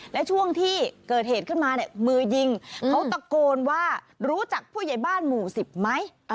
และช่วงที่เกิดเหตุขึ้นมาเนี่ยมือยิงเขาตะโกนว่ารู้จักผู้ใหญ่บ้านหมู่๑๐ไหม